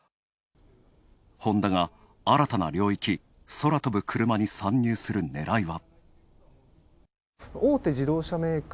ホンダが新たな領域、空飛ぶクルマに参入するねらいは。